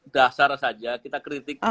dasar saja kita kritik